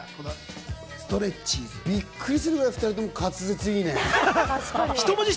びっくりするくらい、２人とも滑舌いいね。